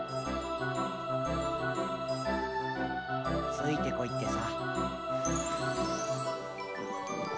ついてこいってさ。